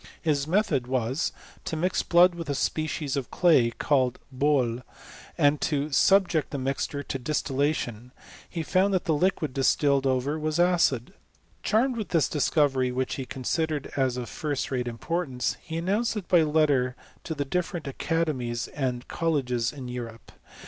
His method was, to mix blood with a species of clay, called boUy and to subject the mixture to distillation, He found that the liquid distilled ove? was acid. Charmed with this discovery, whrch he con sidered as of first rate importance, he announced it by letter to the different academies and colleges in Eu rope.